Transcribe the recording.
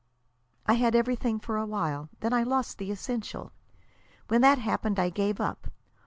"I had everything for a while. Then I lost the essential. When that happened I gave up.